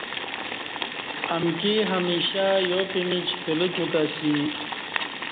امکی ہمیشہ یا پِیمِیچ کلہ کو تسی